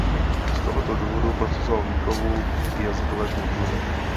Z tohoto důvodu prosazoval výchovu k jazykové kultuře.